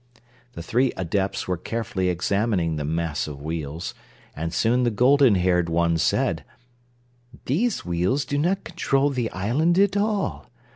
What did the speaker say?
The three Adepts were carefully examining the mass of wheels, and soon the golden haired one said: "These wheels do not control the island at all.